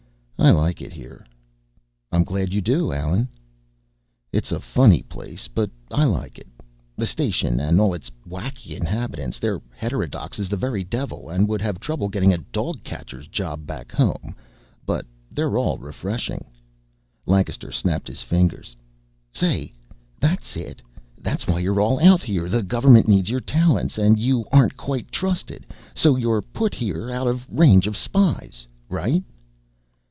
"I like it here." "I'm glad you do, Allen." "It's a funny place, but I like it. The station and all its wacky inhabitants. They're heterodox as the very devil and would have trouble getting a dog catcher's job back home, but they're all refreshing." Lancaster snapped his fingers. "Say, that's it! That's why you're all out here. The government needs your talents, and you aren't quite trusted, so you're put here out of range of spies. Right?"